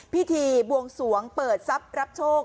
พิธีบวงสวงเปิดทรัพย์รับโชค